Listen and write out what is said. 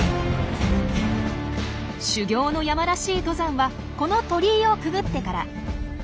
修行の山らしい登山はこの鳥居をくぐってから。